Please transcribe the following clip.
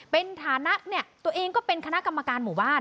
เป็นฐานะเนี่ยตัวเองก็เป็นคณะกรรมการหมู่บ้าน